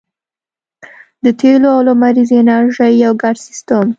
د تیلو او لمریزې انرژۍ یو ګډ سیستم